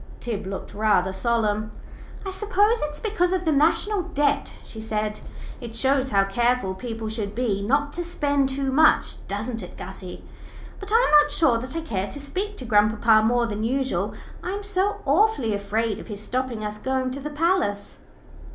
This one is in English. Tib looked rather solemn. "I suppose it's because of the National Debt," she said. "It shows how careful people should be not to spend too much, doesn't it, Gussie? But I'm not sure that I care to speak to grandpapa more than usual. I'm so awfully afraid of his stopping us going to the palace."